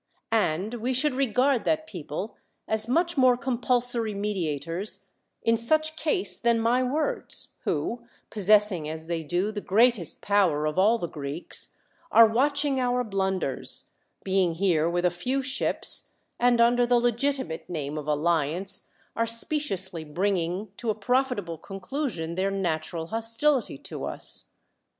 And we should regard that people as much more compulsory mediators in such case than my words ; who, possessing as they do the greatest power of all the Greeks, are watching our blun ders, being here with a few ships ; and under the legitimate name of alliance are speciously bring ing to a profitable conclusion their natural hos tility to us.